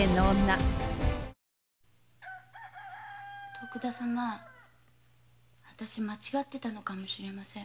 徳田様あたし間違っていたのかもしれません。